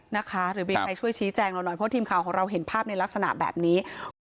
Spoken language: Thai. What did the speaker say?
หรือมีใครช่วยชี้แจงเราหน่อยเพราะทีมข่าวของเราเห็นภาพในลักษณะแบบนี้